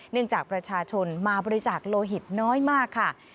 จากประชาชนมาบริจาคโลหิตน้อยมากค่ะ